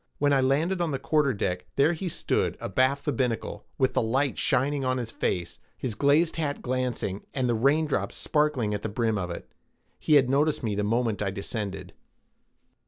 When I landed on the quarterdeck, there he stood abaft the binnacle, with the light shining on his face, his glazed hat glancing, and the raindrops sparkling at the brim of it. He had noticed me the moment I descended.